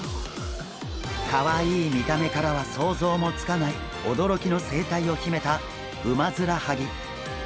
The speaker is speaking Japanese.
かわいい見た目からは想像もつかない驚きの生態を秘めたウマヅラハギ。